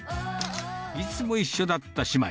いつも一緒だった姉妹。